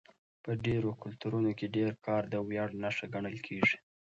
په ډېرو کلتورونو کې ډېر کار د ویاړ نښه ګڼل کېږي.